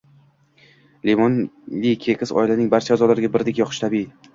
Limonli keks oilaning barcha a’zolariga birdek yoqishi tabiiy